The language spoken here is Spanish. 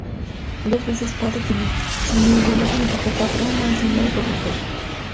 Dos veces "Pa" debía significar ‘patrón’, ‘gran señor’ o ‘protector’.